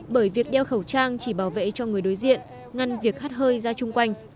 bởi việc đeo khẩu trang chỉ bảo vệ cho người đối diện ngăn việc hắt hơi ra chung quanh